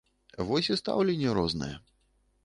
Вось і стаўленне рознае.